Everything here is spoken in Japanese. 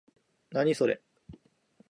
何、それ？